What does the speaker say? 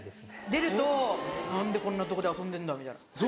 出ると「何でこんなとこで遊んでんだ」みたいな。